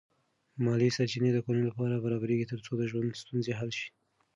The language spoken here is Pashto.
مالی سرچینې د کورنۍ لپاره برابرېږي ترڅو د ژوند ستونزې حل شي.